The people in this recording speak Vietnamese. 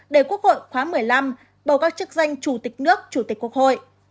để quốc hội khóa một mươi năm bầu các chức danh chủ tịch nước chủ tịch quốc hội